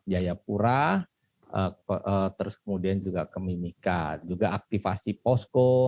jayapura kemudian juga kemimika juga aktivasi posco